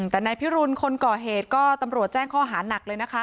แต่นายพิรุณคนก่อเหตุก็ตำรวจแจ้งข้อหานักเลยนะคะ